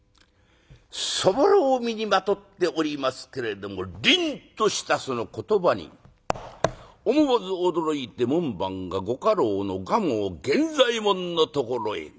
そぼろを身にまとっておりますけれどもりんとしたその言葉に思わず驚いて門番がご家老の蒲生源左衛門のところへ。